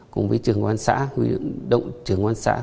cùng với trưởng quán xã